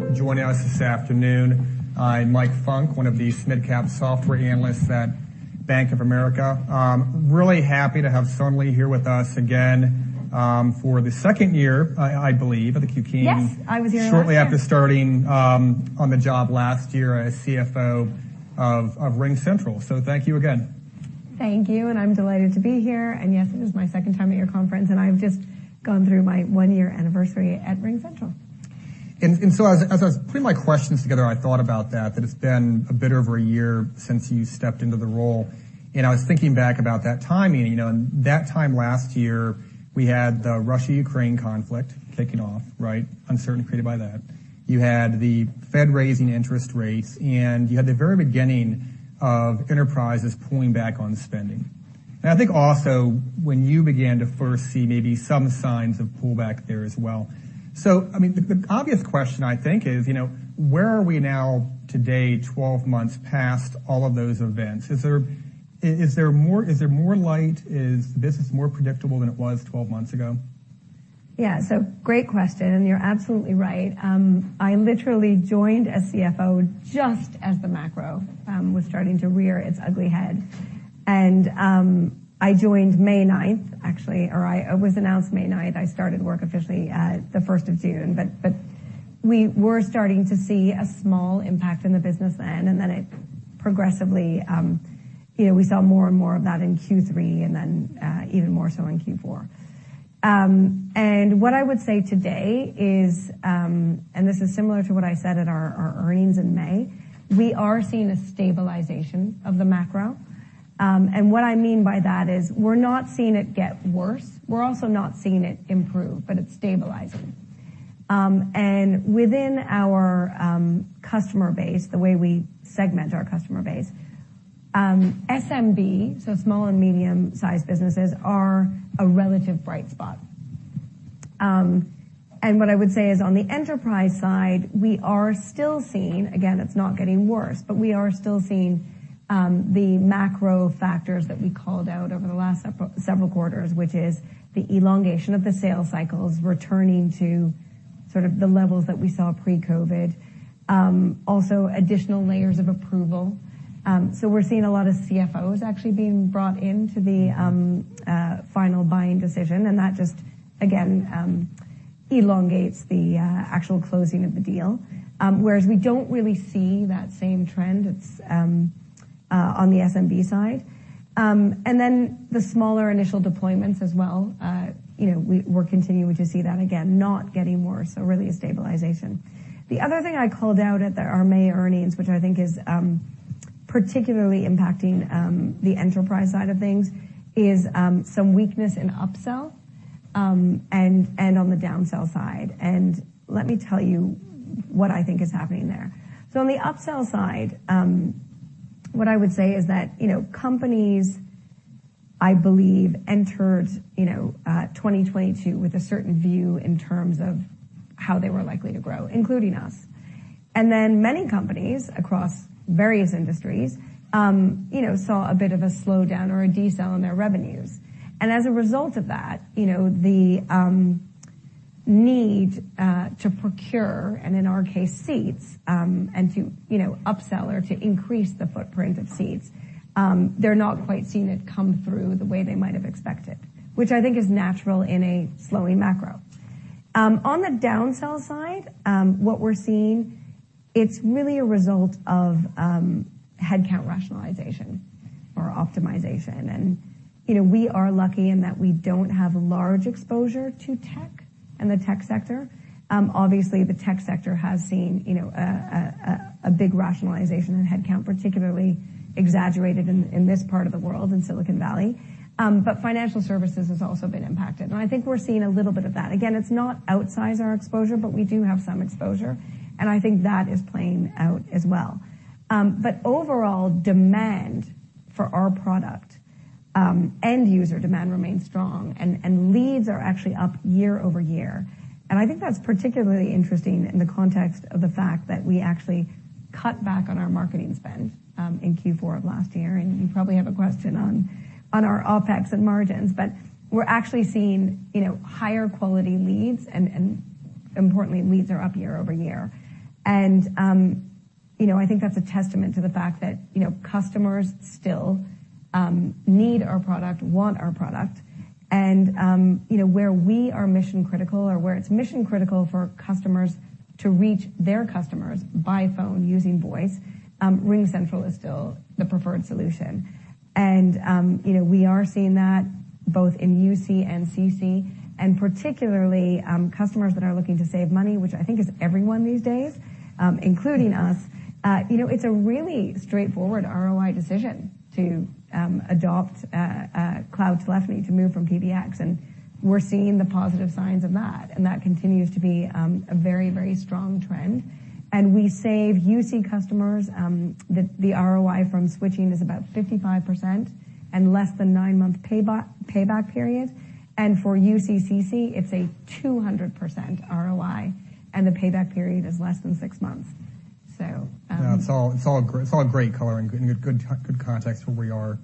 for joining us this afternoon. I'm Michael Funk, one of the mid-cap software analysts at Bank of America. really happy to have Sonali here with us again, for the second year, I believe, at the Q Queen. Yes, I was here last year. Shortly after starting, on the job last year as CFO of RingCentral. Thank you again. Thank you, I'm delighted to be here. Yes, it is my second time at your conference, and I've just gone through my one-year anniversary at RingCentral. As I was putting my questions together, I thought about that it's been a bit over a year since you stepped into the role. I was thinking back about that timing. You know, that time last year, we had the Russia-Ukraine conflict kicking off, right? Uncertainty created by that. You had the Fed raising interest rates, and you had the very beginning of enterprises pulling back on spending. I think also when you began to first see maybe some signs of pullback there as well. I mean, the obvious question, I think, is, you know, where are we now today, 12 months past all of those events? Is there more light? Is business more predictable than it was 12 months ago? Yeah. Great question, and you're absolutely right. I literally joined as CFO just as the macro was starting to rear its ugly head. I joined May 9th, actually, it was announced May 9th. I started work officially at the 1st of June. We were starting to see a small impact in the business then, and then it progressively, you know, we saw more and more of that in Q3 and then even more so in Q4. What I would say today is, this is similar to what I said at our earnings in May, we are seeing a stabilization of the macro. What I mean by that is we're not seeing it get worse. We're also not seeing it improve, but it's stabilizing. Within our customer base, the way we segment our customer base, SMB, so small and medium-sized businesses, are a relative bright spot. What I would say is on the enterprise side, we are still seeing, again, it's not getting worse, but we are still seeing the macro factors that we called out over the last several quarters, which is the elongation of the sales cycles returning to sort of the levels that we saw pre-COVID. Also additional layers of approval. We're seeing a lot of CFOs actually being brought into the final buying decision, and that just, again, elongates the actual closing of the deal. Whereas we don't really see that same trend, it's on the SMB side. Then the smaller initial deployments as well, you know, we're continuing to see that, again, not getting worse, so really a stabilization. The other thing I called out at our May earnings, which I think is particularly impacting the enterprise side of things, is some weakness in upsell and on the downsell side. Let me tell you what I think is happening there. On the upsell side, what I would say is that, you know, companies, I believe, entered, you know, 2022 with a certain view in terms of how they were likely to grow, including us. Then many companies across various industries, you know, saw a bit of a slowdown or a decel in their revenues. As a result of that, you know, the need to procure, and in our case, seats, and to, you know, upsell or to increase the footprint of seats, they're not quite seeing it come through the way they might have expected, which I think is natural in a slowing macro. On the downsell side, what we're seeing, it's really a result of headcount rationalization or optimization. You know, we are lucky in that we don't have large exposure to tech and the tech sector. Obviously, the tech sector has seen, you know, a big rationalization in headcount, particularly exaggerated in this part of the world, in Silicon Valley. But financial services has also been impacted, I think we're seeing a little bit of that. Again, it's not outsized our exposure, but we do have some exposure, and I think that is playing out as well. Overall demand for our product, end user demand remains strong, and leads are actually up year-over-year. I think that's particularly interesting in the context of the fact that we actually cut back on our marketing spend in Q4 of last year. You probably have a question on our OpEx and margins. We're actually seeing, you know, higher quality leads, and importantly, leads are up year-over-year. You know, I think that's a testament to the fact that, you know, customers still need our product, want our product. You know, where we are mission-critical or where it's mission-critical for customers to reach their customers by phone using voice, RingCentral is still the preferred solution. You know, we are seeing that both in UC and CC, and particularly, customers that are looking to save money, which I think is everyone these days, including us. You know, it's a really straightforward ROI decision to adopt cloud telephony to move from PBX, and we're seeing the positive signs of that, and that continues to be a very, very strong trend. We save UC customers, the ROI from switching is about 55% and less than 9-month payback period. For UC+CC, it's a 200% ROI, and the payback period is less than six months. Yeah, it's all great color and good context where we are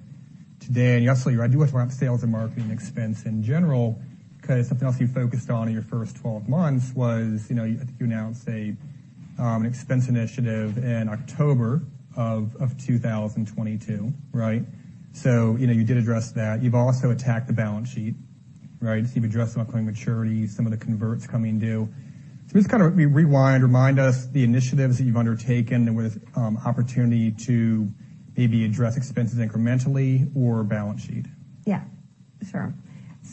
today. You're absolutely right. I do want to sales and marketing expense in general, 'cause something else you focused on in your first 12 months was, you know, you announced a expense initiative in October of 2022, right? You know, you did address that. You've also attacked the balance sheet, right? You've addressed some upcoming maturities, some of the converts coming due. Just kind of rewind, remind us the initiatives that you've undertaken and with opportunity to maybe address expenses incrementally or balance sheet. Yeah, sure.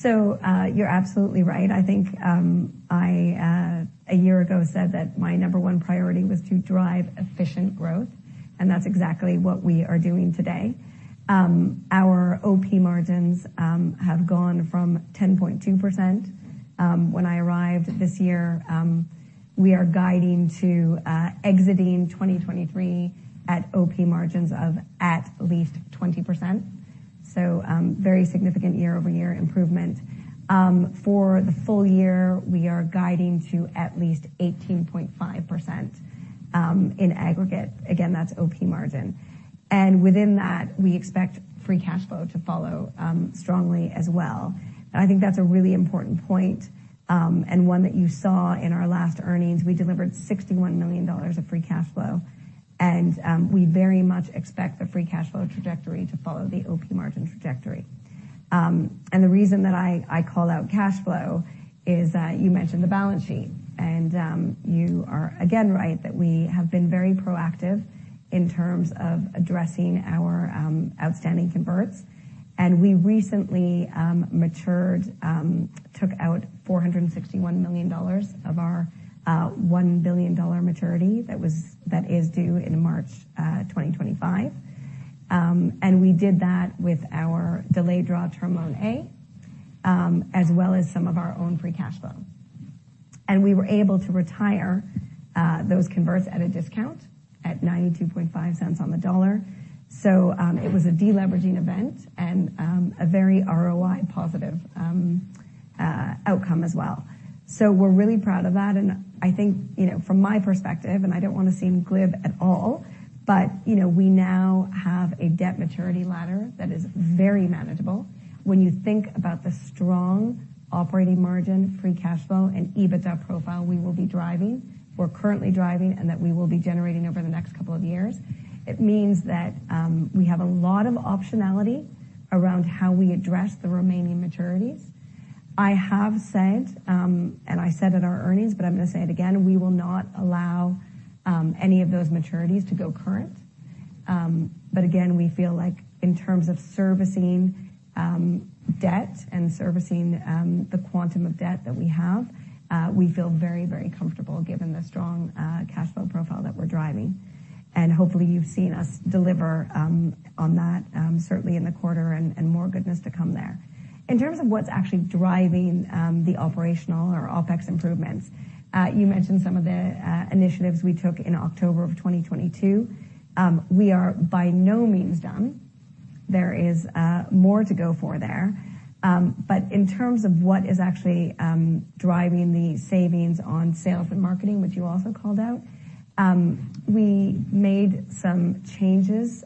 You're absolutely right. I think I a year ago said that my number one priority was to drive efficient growth, and that's exactly what we are doing today. Our Op margins have gone from 10.2% when I arrived this year, we are guiding to exiting 2023 at Op margins of at least 20%. Very significant year-over-year improvement. For the full year, we are guiding to at least 18.5% in aggregate. Again, that's OP margin. Within that, we expect free cash flow to follow strongly as well. I think that's a really important point, and one that you saw in our last earnings. We delivered $61 million of free cash flow, we very much expect the free cash flow trajectory to follow the OP margin trajectory. The reason that I call out cash flow is that you mentioned the balance sheet, you are again right, that we have been very proactive in terms of addressing our outstanding converts. We recently matured, took out $461 million of our $1 billion maturity that is due in March 2025. We did that with our delayed draw term loan A, as well as some of our own free cash flow. We were able to retire those converts at a discount at 92.5 cents on the dollar. It was a deleveraging event and a very ROI positive outcome as well. We're really proud of that, and I think, you know, from my perspective, and I don't want to seem glib at all, but, you know, we now have a debt maturity ladder that is very manageable. When you think about the strong operating margin, free cash flow, and EBITDA profile we will be driving, we're currently driving, and that we will be generating over the next couple of years, it means that we have a lot of optionality around how we address the remaining maturities. I have said, and I said in our earnings, but I'm going to say it again: We will not allow any of those maturities to go current. Again, we feel like in terms of servicing debt and servicing the quantum of debt that we have, we feel very, very comfortable given the strong cash flow profile that we're driving. Hopefully, you've seen us deliver on that certainly in the quarter and more goodness to come there. What's actually driving the operational or OpEx improvements, you mentioned some of the initiatives we took in October of 2022. We are by no means done. There is more to go for there. What is actually driving the savings on sales and marketing, which you also called out, we made some changes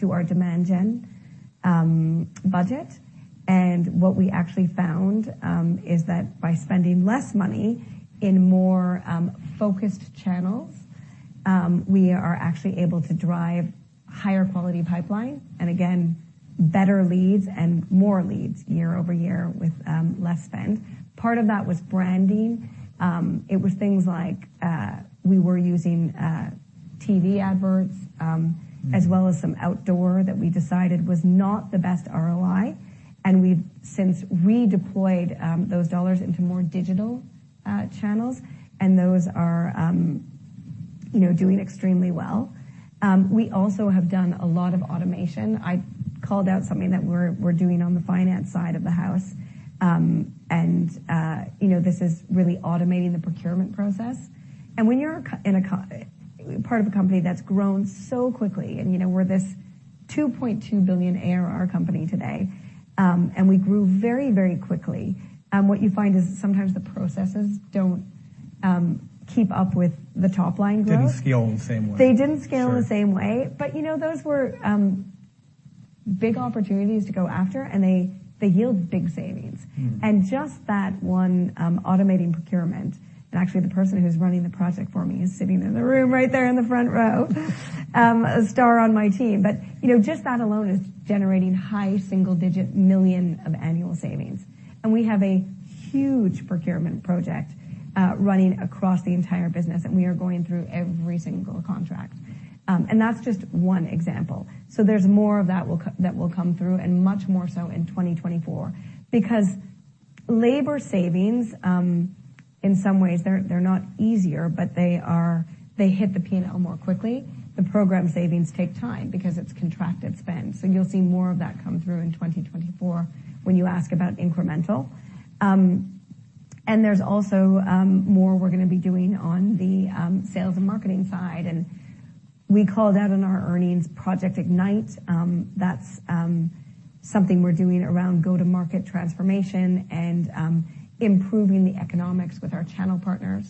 to our demand gen budget. What we actually found is that by spending less money in more focused channels, we are actually able to drive higher quality pipeline, and again, better leads and more leads year-over-year with less spend. Part of that was branding. It was things like we were using TV adverts, as well as some outdoor, that we decided was not the best ROI, and we've since redeployed those dollars into more digital channels, and those are, you know, doing extremely well. We also have done a lot of automation. I called out something that we're doing on the finance side of the house. You know, this is really automating the procurement process. When you're part of a company that's grown so quickly, you know, we're this $2.2 billion ARR company today, we grew very, very quickly, what you find is that sometimes the processes don't, keep up with the top line growth. Didn't scale the same way. They didn't scale. Sure... the same way. you know, those were big opportunities to go after, and they yield big savings. Mm-hmm. Just that one, automating procurement, actually the person who's running the project for me is sitting in the room right there in the front row, a star on my team. You know, just that alone is generating high single-digit million of annual savings. We have a huge procurement project, running across the entire business, and we are going through every single contract. That's just one example. There's more of that that will come through, and much more so in 2024. Because labor savings, in some ways, they're not easier, but they are, they hit the P&L more quickly. The program savings take time because it's contracted spend. You'll see more of that come through in 2024 when you ask about incremental. There's also more we're going to be doing on the sales and marketing side. We called out on our earnings Project Ignite. That's something we're doing around go-to-market transformation and improving the economics with our channel partners.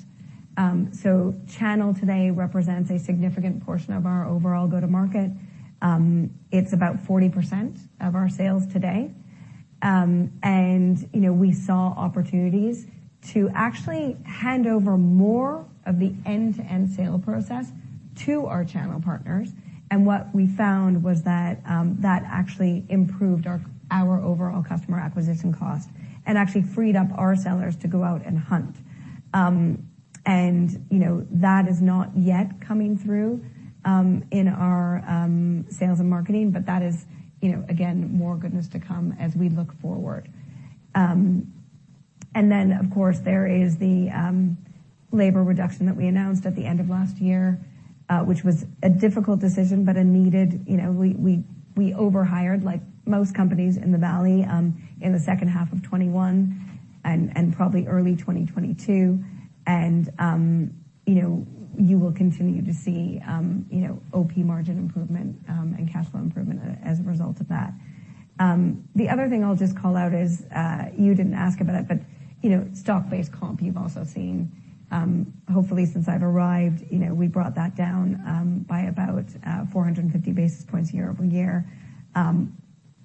Channel today represents a significant portion of our overall go-to-market. It's about 40% of our sales today. You know, we saw opportunities to actually hand over more of the end-to-end sale process to our channel partners, and what we found was that that actually improved our overall customer acquisition cost and actually freed up our sellers to go out and hunt. You know, that is not yet coming through in our sales and marketing, but that is, you know, again, more goodness to come as we look forward. Then, of course, there is the labor reduction that we announced at the end of last year, which was a difficult decision, but a needed. You know, we overhired, like most companies in the valley, in the second half of 2021 and probably early 2022, and, you know, you will continue to see, you know, OP margin improvement, and cash flow improvement as a result of that. The other thing I'll just call out is, you didn't ask about it, but, you know, stock-based comp, you've also seen. Hopefully, since I've arrived, you know, we brought that down by about 450 basis points year-over-year.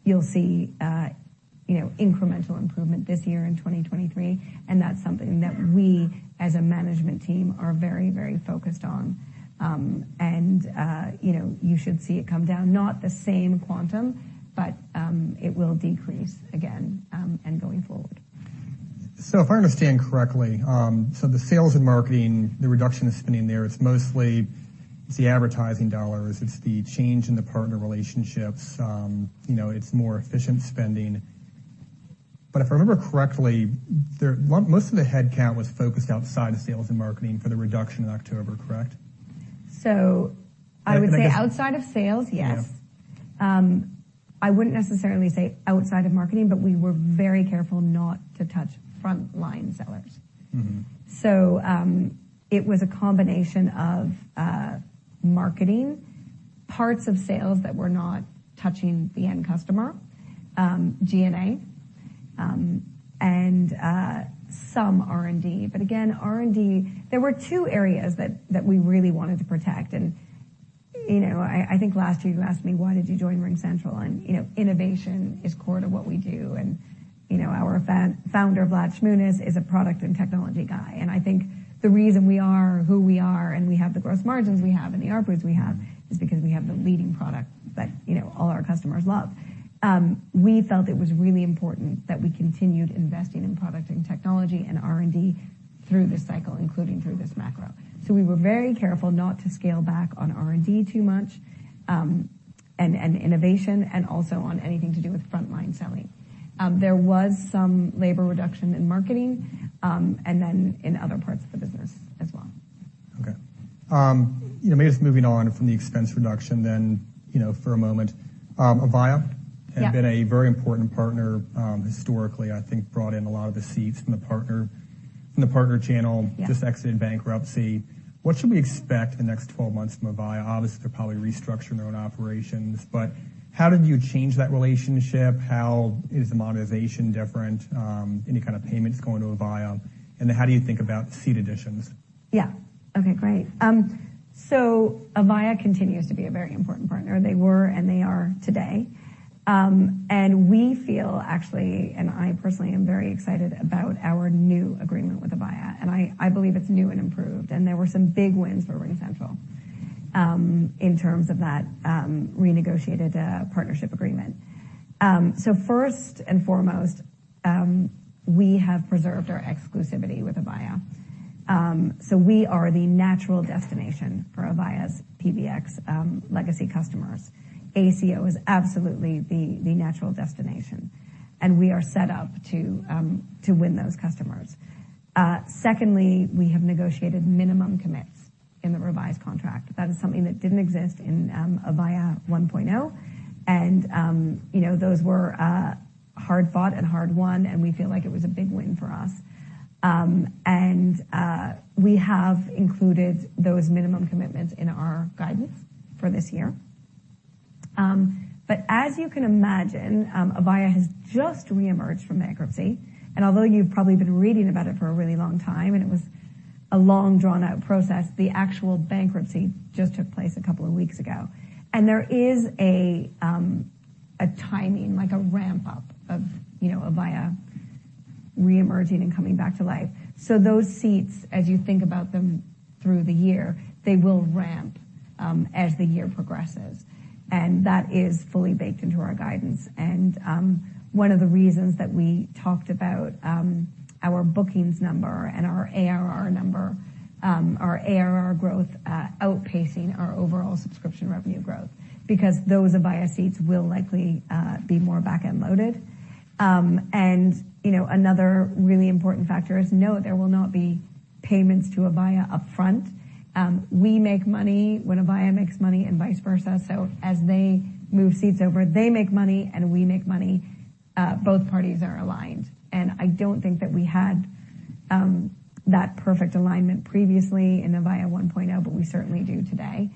You'll see, you know, incremental improvement this year in 2023, and that's something that we, as a management team, are very, very focused on. You know, you should see it come down, not the same quantum, but, it will decrease again, and going forward. If I understand correctly, so the sales and marketing, the reduction of spending there, it's mostly the advertising dollars. It's the change in the partner relationships, you know, it's more efficient spending. If I remember correctly, most of the headcount was focused outside of sales and marketing for the reduction in October, correct? I would. Yeah. outside of sales, yes. Yeah. I wouldn't necessarily say outside of marketing, but we were very careful not to touch frontline sellers. Mm-hmm. It was a combination of marketing, parts of sales that were not touching the end customer, G&A, and some R&D. Again, R&D, there were two areas that we really wanted to protect. You know, I think last year you asked me, "Why did you join RingCentral?" You know, innovation is core to what we do, and, you know, our founder, Vlad Shmunis, is a product and technology guy. I think the reason we are who we are, and we have the growth margins we have and the ARPUs we have, is because we have the leading product that, you know, all our customers love. We felt it was really important that we continued investing in product and technology and R&D through this cycle, including through this macro. We were very careful not to scale back on R&D too much, and innovation, and also on anything to do with frontline selling. There was some labor reduction in marketing, and then in other parts of the business as well. Okay. you know, maybe just moving on from the expense reduction then, you know, for a moment. Yeah... has been a very important partner, historically, I think brought in a lot of the seats from the partner channel. Yeah. Just exited bankruptcy. What should we expect in the next 12 months from Avaya? Obviously, they're probably restructuring their own operations, but how did you change that relationship? How is the monetization different, any kind of payments going to Avaya, and how do you think about seat additions? Yeah. Okay, great. Avaya continues to be a very important partner. They were, and they are today. We feel, actually, and I personally am very excited about our new agreement with Avaya, I believe it's new and improved, and there were some big wins for RingCentral, in terms of that renegotiated partnership agreement. First and foremost, we have preserved our exclusivity with Avaya. We are the natural destination for Avaya's PBX legacy customers. ACO is absolutely the natural destination, and we are set up to win those customers. Secondly, we have negotiated minimum commits in the revised contract. That is something that didn't exist in Avaya 1.0, you know, those were hard-fought and hard-won, and we feel like it was a big win for us. We have included those minimum commitments in our guidance for this year. As you can imagine, Avaya has just reemerged from bankruptcy, and although you've probably been reading about it for a really long time, and it was a long, drawn-out process, the actual bankruptcy just took place a couple of weeks ago. There is a timing, like a ramp-up of, you know, Avaya reemerging and coming back to life. Those seats, as you think about them through the year, they will ramp as the year progresses, and that is fully baked into our guidance. One of the reasons that we talked about our bookings number and our ARR number, our ARR growth outpacing our overall subscription revenue growth, because those Avaya seats will likely be more back-end loaded. You know, another really important factor is, no, there will not be payments to Avaya upfront. We make money when Avaya makes money, and vice versa. As they move seats over, they make money, and we make money. Both parties are aligned, and I don't think that we had that perfect alignment previously in Avaya 1.0, but we certainly do today,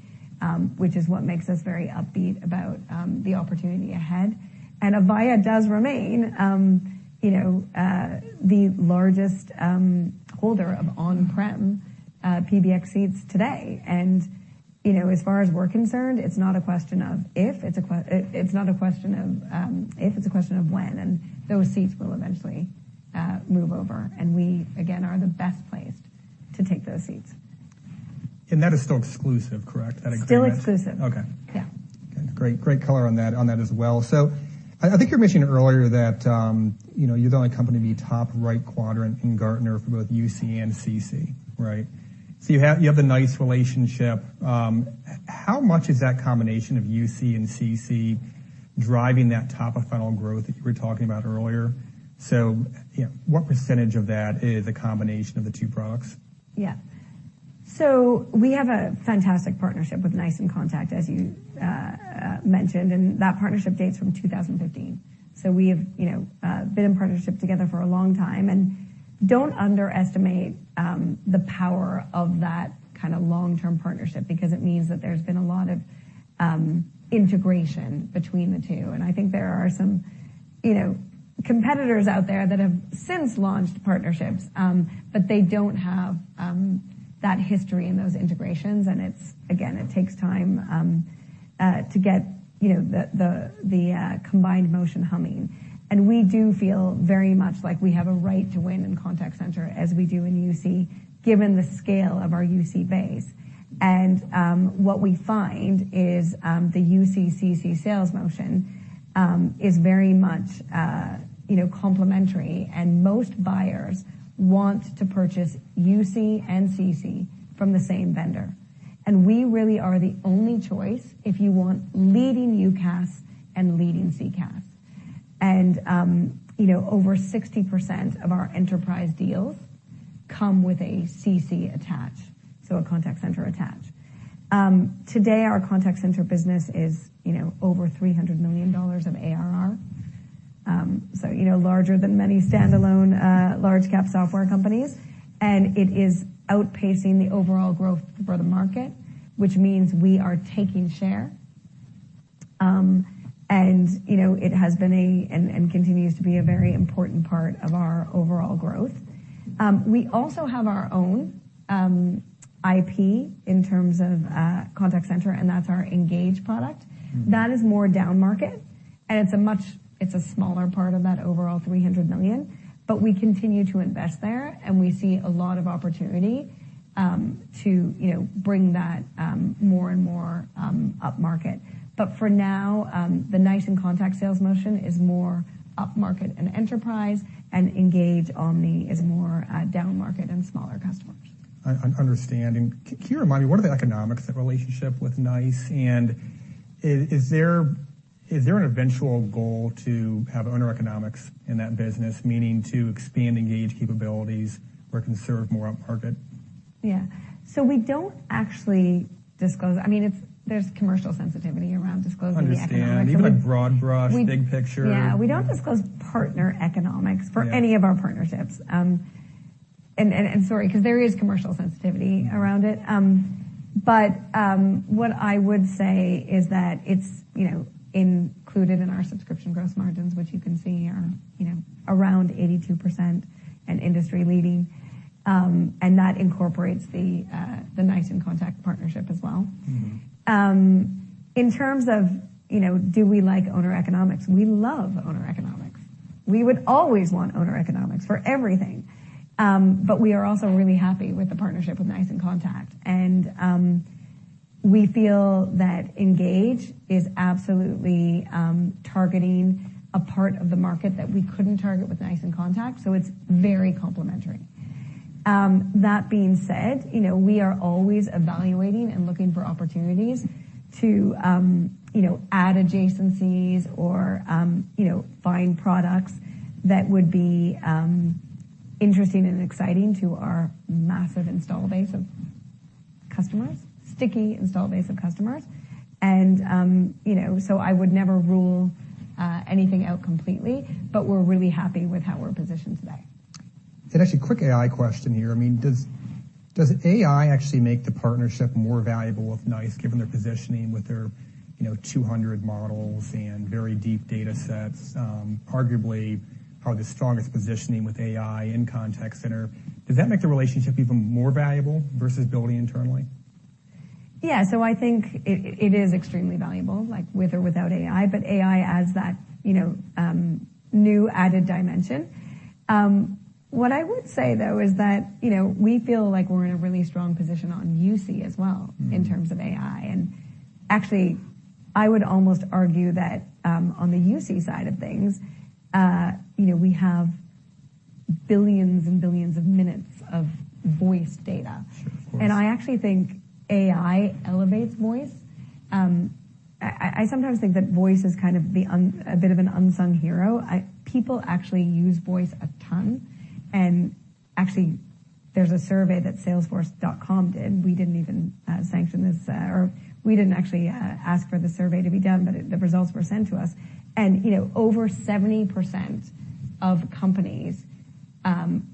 which is what makes us very upbeat about the opportunity ahead. Avaya does remain, you know, the largest holder of on-prem PBX seats today. You know, as far as we're concerned, it's not a question of if, it's not a question of, if, it's a question of when, and those seats will eventually move over, and we, again, are the best placed to take those seats. That is still exclusive, correct, that agreement? Still exclusive. Okay. Yeah. Okay, great color on that as well. I think you were mentioning earlier that, you know, you're the only company to be top right quadrant in Gartner for both UC and CC, right? You have the NICE inContact relationship. How much is that combination of UC and CC driving that top-of-funnel growth that you were talking about earlier? You know, what percentage of that is a combination of the two products? Yeah. We have a fantastic partnership with NICE inContact, as you mentioned, and that partnership dates from 2015. We have, you know, been in partnership together for a long time, and don't underestimate the power of that kind of long-term partnership, because it means that there's been a lot of integration between the two. I think there are some, you know, competitors out there that have since launched partnerships, but they don't have that history and those integrations. Again, it takes time to get, you know, the combined motion humming. We do feel very much like we have a right to win in contact center, as we do in UC, given the scale of our UC base. What we find is, the UC/CC sales motion, is very much, you know, complementary, and most buyers want to purchase UC and CC from the same vendor. We really are the only choice if you want leading UCaaS and leading CCaaS. You know, over 60% of our enterprise deals come with a CC attach, so a contact center attach. Today, our contact center business is, you know, over $300 million of ARR, so, you know, larger than many standalone large-cap software companies, and it is outpacing the overall growth for the market, which means we are taking share. You know, it has been a, and continues to be a very important part of our overall growth. We also have our own IP in terms of contact center, and that's our Engage product. That is more downmarket, and it's a smaller part of that overall $300 million. We continue to invest there, and we see a lot of opportunity, to, you know, bring that, more and more, upmarket. For now, the NICE inContact sales motion is more upmarket and enterprise, and Engage Digital is more, downmarket and smaller customers. Understanding. Can you remind me, what are the economics, that relationship with NICE, is there an eventual goal to have owner economics in that business, meaning to expand Engage capabilities or conserve more upmarket? Yeah. We don't actually disclose. I mean, there's commercial sensitivity around disclosing the economics. Understand. Even a broad brush, big picture. Yeah. We don't disclose partner economics- Yeah... for any of our partnerships. Sorry, 'cause there is commercial sensitivity around it. Yeah. What I would say is that it's, you know, included in our subscription gross margins, which you can see are, you know, around 82% and industry leading. That incorporates the NICE inContact partnership as well. In terms of, you know, do we like owner economics? We love owner economics. We would always want owner economics for everything. We are also really happy with the partnership with NICE inContact, and we feel that Engage is absolutely targeting a part of the market that we couldn't target with NICE inContact, so it's very complementary. That being said, you know, we are always evaluating and looking for opportunities to, you know, add adjacencies or, you know, find products that would be interesting and exciting to our massive install base of customers, sticky install base of customers. You know, I would never rule anything out completely, but we're really happy with how we're positioned today. Actually, quick AI question here. I mean, does AI actually make the partnership more valuable with NICE, given their positioning with their, you know, 200 models and very deep data sets, arguably are the strongest positioning with AI in contact center? Does that make the relationship even more valuable versus building internally? Yeah. I think it is extremely valuable, like, with or without AI. AI adds that, you know, new added dimension. What I would say, though, is that, you know, we feel like we're in a really strong position on UC as well. in terms of AI. Actually, I would almost argue that, on the UC side of things, you know, we have billions and billions of minutes of voice data. Sure, of course. I actually think AI elevates voice. I sometimes think that voice is kind of a bit of an unsung hero. People actually use voice a ton, actually There's a survey that Salesforce did. We didn't even sanction this, or we didn't actually ask for the survey to be done, but the results were sent to us. You know, over 70% of companies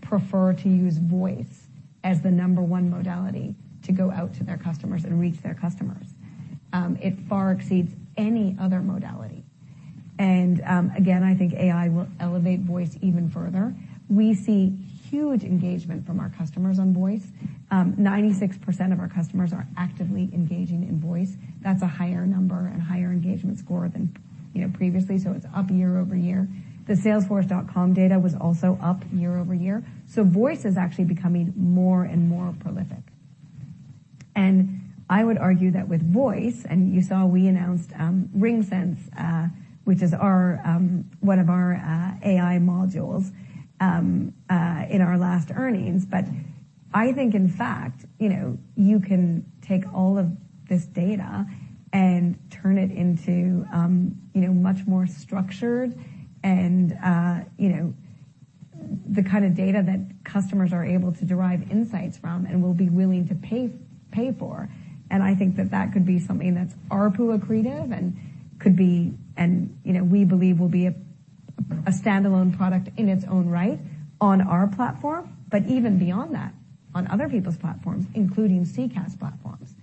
prefer to use voice as the number 1 modality to go out to their customers and reach their customers. It far exceeds any other modality. Again, I think AI will elevate voice even further. We see huge engagement from our customers on voice. 96% of our customers are actively engaging in voice. That's a higher number and higher engagement score than, you know, previously, so it's up year-over-year. The Salesforce data was also up year-over-year. Voice is actually becoming more and more prolific. I would argue that with voice, and you saw we announced RingSense, which is our one of our AI modules in our last earnings. I think, in fact, you know, you can take all of this data and turn it into, you know, much more structured and, you know, the kind of data that customers are able to derive insights from and will be willing to pay for. I think that that could be something that's ARPU accretive and could be, and, you know, we believe will be a standalone product in its own right on our platform, but even beyond that, on other people's platforms, including CCaaS platforms.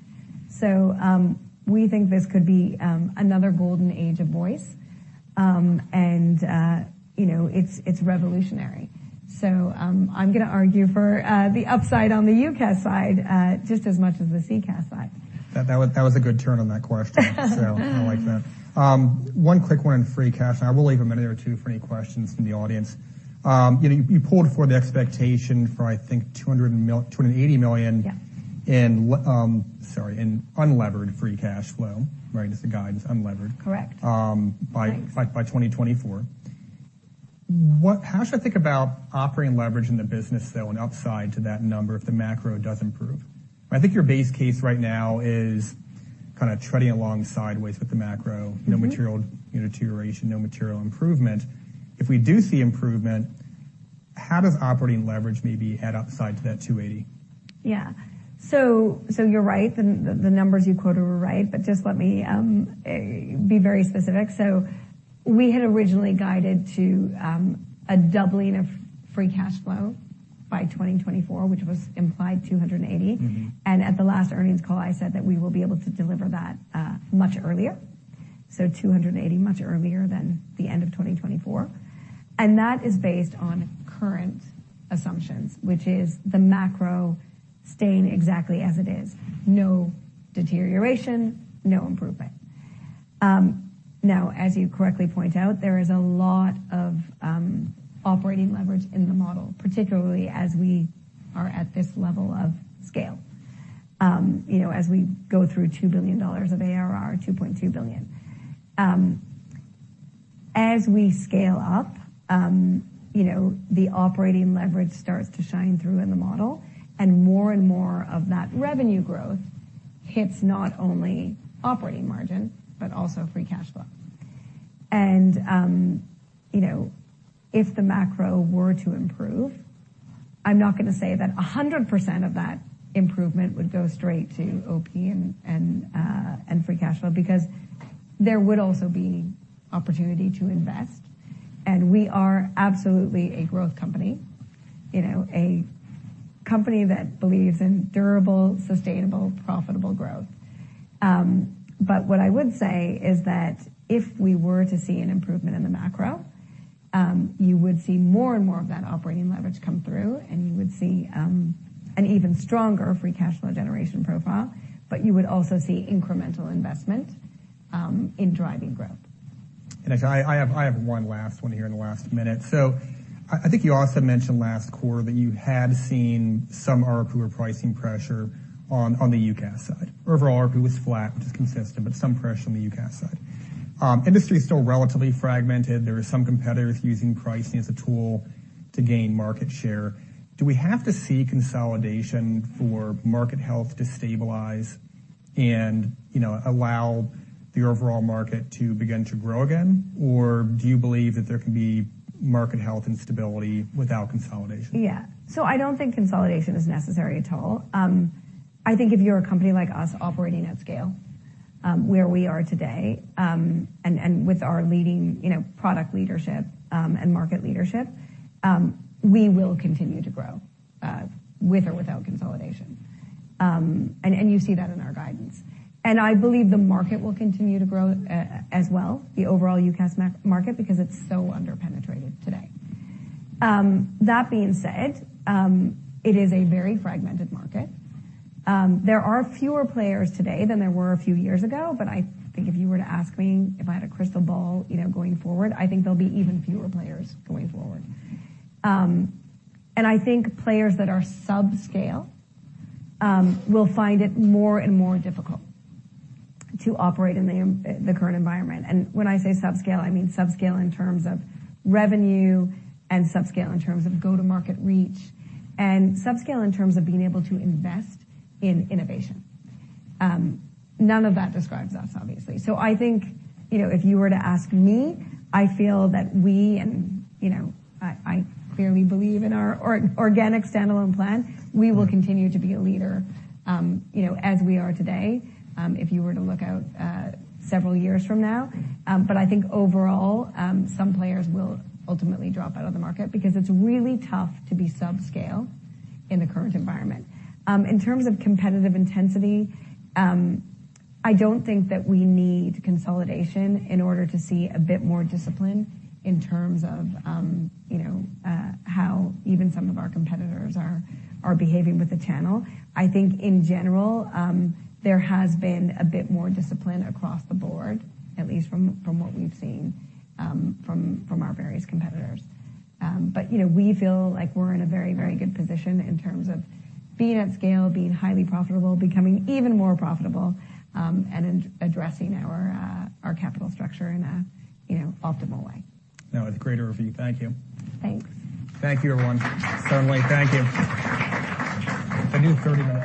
We think this could be another golden age of voice. You know, it's revolutionary. I'm gonna argue for the upside on the UCaaS side, just as much as the CCaaS side. That was a good turn on that question. I like that. You know, you pulled for the expectation for, I think, $280 million. Yeah... in sorry, in unlevered free cash flow, right? Just the guidance, unlevered. Correct. Um, by- Right by 2024. How should I think about operating leverage in the business, though, and upside to that number if the macro does improve? I think your base case right now is kinda treading along sideways with the macro. no material, you know, deterioration, no material improvement. If we do see improvement, how does operating leverage maybe add upside to that $280? You're right. The numbers you quoted were right, but just let me be very specific. We had originally guided to a doubling of free cash flow by 2024, which was implied $280. At the last earnings call, I said that we will be able to deliver that much earlier. 280, much earlier than the end of 2024. That is based on current assumptions, which is the macro staying exactly as it is, no deterioration, no improvement. Now, as you correctly point out, there is a lot of operating leverage in the model, particularly as we are at this level of scale. You know, as we go through $2 billion of ARR, $2.2 billion. As we scale up, you know, the operating leverage starts to shine through in the model, and more and more of that revenue growth hits not only operating margin, but also free cash flow. You know, if the macro were to improve, I'm not gonna say that 100% of that improvement would go straight to OP and free cash flow, because there would also be opportunity to invest, and we are absolutely a growth company. You know, a company that believes in durable, sustainable, profitable growth. What I would say is that if we were to see an improvement in the macro, you would see more and more of that operating leverage come through, and you would see an even stronger free cash flow generation profile, but you would also see incremental investment in driving growth. Actually, I have one last one here in the last minute. I think you also mentioned last quarter that you had seen some ARPU pricing pressure on the UCaaS side. Overall, ARPU was flat, which is consistent, but some pressure on the UCaaS side. Industry is still relatively fragmented. There are some competitors using pricing as a tool to gain market share. Do we have to see consolidation for market health to stabilize and, you know, allow the overall market to begin to grow again? Or do you believe that there can be market health and stability without consolidation? I don't think consolidation is necessary at all. I think if you're a company like us, operating at scale, where we are today, and with our leading, you know, product leadership, and market leadership, we will continue to grow with or without consolidation. You see that in our guidance. I believe the market will continue to grow as well, the overall UCaaS market, because it's so underpenetrated today. That being said, it is a very fragmented market. There are fewer players today than there were a few years ago, but I think if you were to ask me if I had a crystal ball, you know, going forward, I think there'll be even fewer players going forward. I think players that are subscale will find it more and more difficult to operate in the current environment. When I say subscale, I mean subscale in terms of revenue and subscale in terms of go-to-market reach and subscale in terms of being able to invest in innovation. None of that describes us, obviously. I think, you know, if you were to ask me, I feel that we and, you know, I clearly believe in our organic standalone plan. We will continue to be a leader, you know, as we are today, if you were to look out several years from now. I think overall, some players will ultimately drop out of the market because it's really tough to be subscale in the current environment. In terms of competitive intensity, I don't think that we need consolidation in order to see a bit more discipline in terms of, you know, how even some of our competitors are behaving with the channel. I think in general, there has been a bit more discipline across the board, at least from what we've seen from our various competitors. You know, we feel like we're in a very, very good position in terms of being at scale, being highly profitable, becoming even more profitable, and then addressing our capital structure in a, you know, optimal way. No, it's a great overview. Thank you. Thanks. Thank you, everyone. Certainly, thank you. I need 30 minutes.